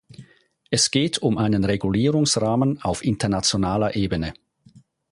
Es geht um einen Regulierungsrahmen auf internationaler Ebene.